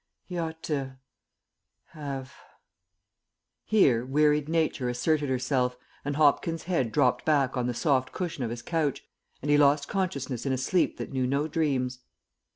He ought to have " Here wearied Nature asserted herself, and Hopkins' head dropped back on the soft cushion of his couch, and he lost consciousness in a sleep that knew no dreams.